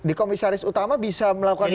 di komisaris utama bisa melakukan itu